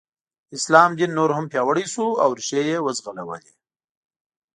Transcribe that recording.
د اسلام دین نور هم پیاوړی شو او ریښې یې وځغلولې.